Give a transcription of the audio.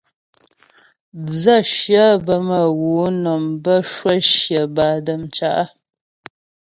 Dzə̌shyə bə́ mə̌ wǔ nɔm, bə́ cwə shyə bâ dəm cǎ'.